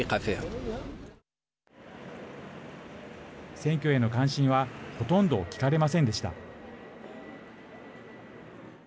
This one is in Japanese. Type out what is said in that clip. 選挙への関心はほとんど聞かれませんでした。